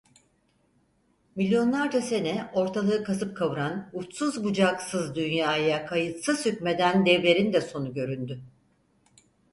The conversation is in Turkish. Milyonlarca sene ortalığı kasıp kavuran, uçsuz bucaksız dünyaya kayıtsız hükmeden devlerin de sonu göründü.